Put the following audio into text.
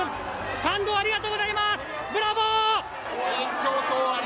感動をありがとうございますブラボー。